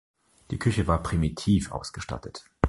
Die Küche war primitiv ausgestattet.